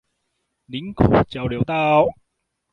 林口交流道